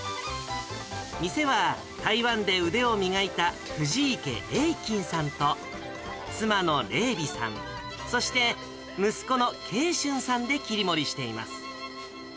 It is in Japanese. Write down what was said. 店は台湾で腕を磨いたふじいけえいきんさんと、妻の麗美さん、そして、息子の継俊さんで切り盛りしています。